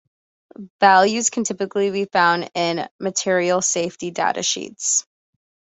The values can typically be found in a material safety data sheet.